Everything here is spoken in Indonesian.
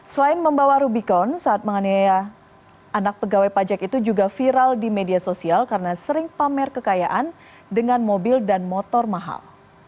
selain membawa rubicon saat menganiaya anak pegawai pajak itu juga viral di media sosial karena sering pamer kekayaan dengan mobil dan motor mahal